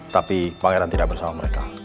tapi pangeran tidak bersama mereka